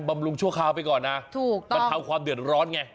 บำรุงชั่วคราวไปก่อนนะถูกทำให้ความเดือดร้อนไง